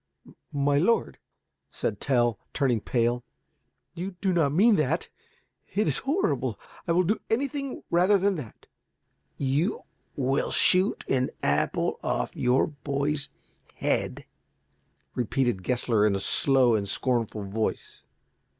"My lord," said Tell, turning pale, "you do not mean that? It is horrible. I will do anything rather than that." "You will shoot an apple off your boy's head," repeated Gessler in a slow and scornful voice.